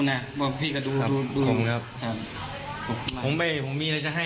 ให้นักเรียนเขาได้